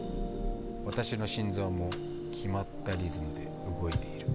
私の心臓も決まったリズムで動いている。